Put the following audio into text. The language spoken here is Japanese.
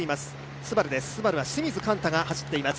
ＳＵＢＡＲＵは清水歓太が走っています。